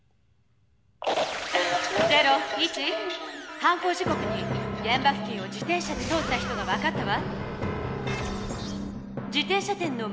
犯行時こくにげん場付近を自転車で通った人が分かったわ！